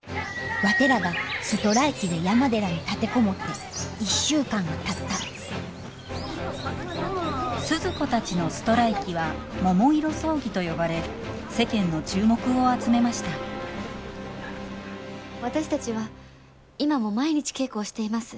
ワテらがストライキで山寺に立て籠もって１週間がたったスズ子たちのストライキは桃色争議と呼ばれ世間の注目を集めました私たちは今も毎日稽古をしています。